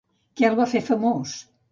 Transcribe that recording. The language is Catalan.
Què el va fer famós?